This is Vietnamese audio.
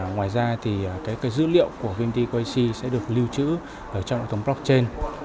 ngoài ra dữ liệu của vnpt ekyc sẽ được lưu trữ trong nội tống blockchain